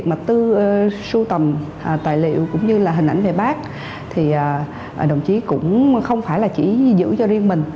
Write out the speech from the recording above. tại lựu cũng như là hình ảnh về bác thì đồng chí cũng không phải là chỉ giữ cho riêng mình